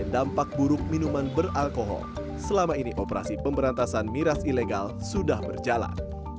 dampak buruk minuman beralkohol selama ini operasi pemberantasan miras ilegal sudah berjalan